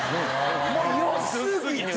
もう良すぎて。